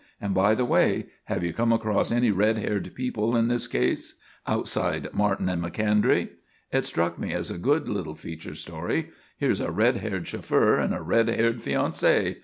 And, by the way, have you come across any red haired people in this case outside Martin and Macondray? It struck me as a good little feature story. Here's a red haired chauffeur and a red haired fiancée.